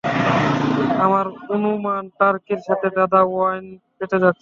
আমার অনুমান, টার্কির সাথে সাদা ওয়ইন পেতে যাচ্ছি।